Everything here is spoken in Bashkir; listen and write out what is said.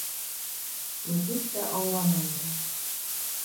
Мин һис тә аңламай инем.